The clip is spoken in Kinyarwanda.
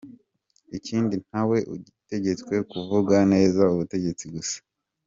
Ikindi ntawe utegetswe kuvuga neza ubutegetsi gusa.